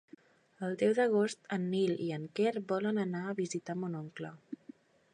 El deu d'agost en Nil i en Quer volen anar a visitar mon oncle.